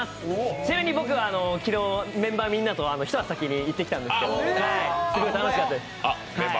ちなみに僕は昨日、メンバーみんなと一足先に行ってきたんですけど、すごい楽しかったです。